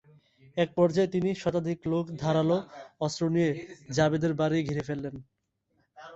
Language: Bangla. একপর্যায়ে তিন শতাধিক লোক ধারালো অস্ত্র নিয়ে জাবেদের বাড়ি ঘিরে ফেলেন।